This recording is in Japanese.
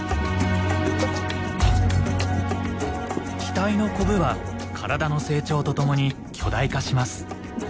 額のコブは体の成長とともに巨大化します。